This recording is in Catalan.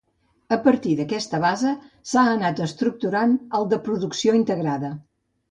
A partir d'aquesta base s'ha anat estructurant el de producció integrada.